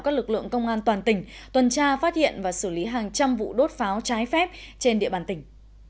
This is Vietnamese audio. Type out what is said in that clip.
các lực lượng công an toàn tỉnh tuần tra phát hiện và xử lý hàng trăm vụ đốt pháo trái phép trên địa bàn tỉnh